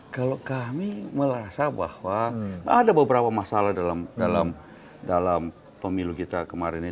kalau kami merasa bahwa ada beberapa masalah dalam pemilu kita kemarin ini